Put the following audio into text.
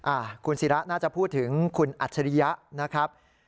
อ่ะคุณศิราน่าจะพูดถึงคุณอัจฉริยะนะครับ